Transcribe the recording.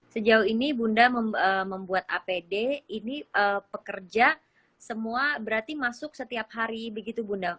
sejauh ini bunda membuat apd ini pekerja semua berarti masuk setiap hari begitu bunda